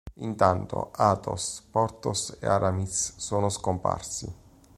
Intanto Athos, Porthos e Aramis sono scomparsi.